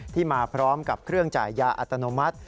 มาพร้อมกับเครื่องจ่ายยาอัตโนมัติ